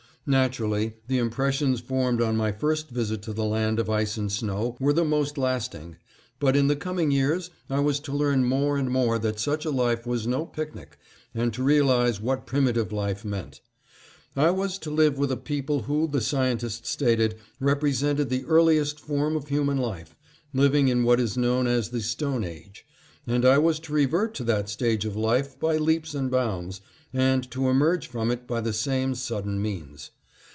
Naturally the impressions formed on my first visit to the Land of Ice and Snow were the most lasting, but in the coming years I was to learn more and more that such a life was no picnic, and to realize what primitive life meant. I was to live with a people who, the scientists stated, represented the earliest form of human life, living in what is known as the Stone Age, and I was to revert to that stage of life by leaps and bounds, and to emerge from it by the same sudden means.